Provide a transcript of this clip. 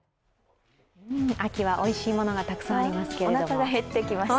秋はおいしいものがたくさんありますけれども。